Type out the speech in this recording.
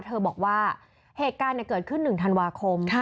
เธอบอกว่าเหตุการณ์เกิดขึ้น๑ธันวาคม